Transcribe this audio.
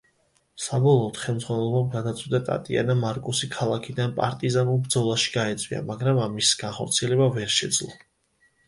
საბოლოოდ ხელმძღვანელობამ გადაწყვიტა ტატიანა მარკუსი ქალაქიდან პარტიზანულ ბრძოლაში გაეწვია, მაგრამ ამის განხორციელება ვერ შეძლო.